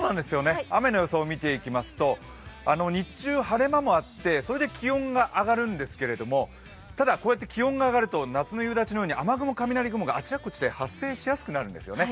雨の予想を見ていきますと日中晴れ間もあってそれで気温が上がるんですけれども、ただ、気温が上がると夏の夕立のように雨雲、雷雲があちらこちらで発生しやすくなるんですよね。